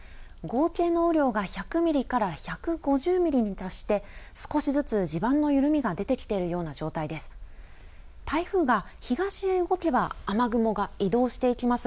合計の雨量が１００ミリから１５０ミリに達して少しずつ地盤の緩みが出てきているような状態です。